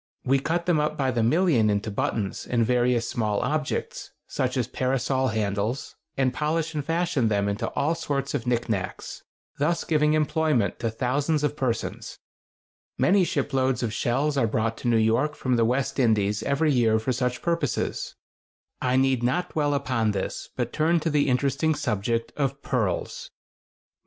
We cut them up by the million into buttons and various small objects, such as parasol handles, and polish and fashion them into all sorts of knickknacks, thus giving employment to thousands of persons. Many ship loads of shells are brought to New York from the West Indies every year for such purposes. I need not dwell upon this, but turn to the interesting subject of pearls. [Illustration: CASSIDIDÆ.